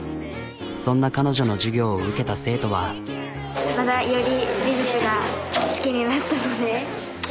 そんな彼女の授業を受けた生徒は。ぐらいの。